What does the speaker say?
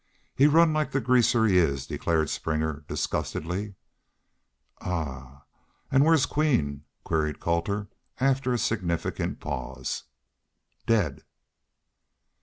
"He run like the greaser he is," declared Springer, disgustedly. "Ahuh! An' where's Queen?" queried Colter, after a significant pause. "Dead!"